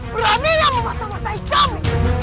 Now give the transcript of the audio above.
berani yang mematah matahi kami